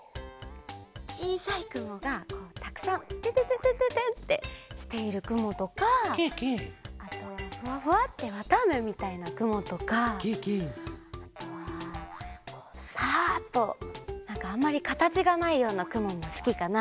ちいさいくもがこうたくさんてんてんてんてんってしているくもとかあとフワフワッてわたあめみたいなくもとかあとはこうサッとなんかあんまりかたちがないようなくももすきかな。